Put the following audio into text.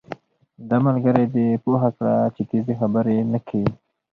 دا ملګری دې پوهه کړه چې تېزي خبرې نه کوي